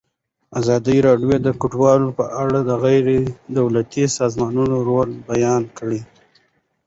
ازادي راډیو د کډوال په اړه د غیر دولتي سازمانونو رول بیان کړی.